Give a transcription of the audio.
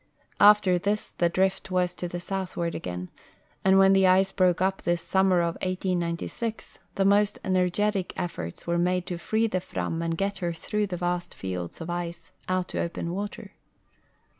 After this the drift was to the southward again, and when the ice broke up this summer of 1896 the most energetic efforts were made to free the Fram and get her through the vast fields of ice out to ojDen water.